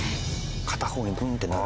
片方にグンッてなる。